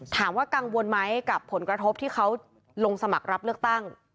ถามว่ากังวลไหมกับผลกระทบที่เขาลงสมัครรับเลือกตั้ง